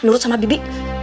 nurut sama bibi